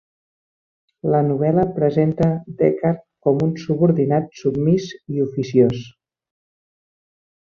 La novel·la presenta Deckard com un subordinat submís i oficiós.